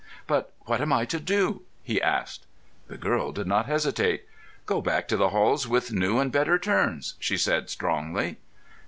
"But what am I to do?" he asked. The girl did not hesitate. "Go back to the halls with new and better turns," she said strongly.